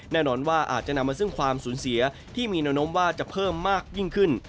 แน่นอนว่าอาจจะนำมาซึ่งความสูญเสียที่มีแนวโน้มว่าจะเพิ่มมากยิ่งขึ้น